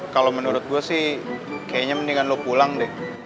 kalau menurut gue sih kayaknya mendingan lo pulang deh